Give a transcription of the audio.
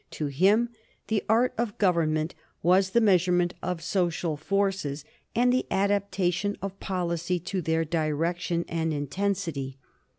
"To him the art of government was the measurement of social forces, and the adaptation of policy to their direction and intensity.